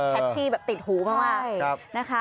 แท็บที่ติดหูมาก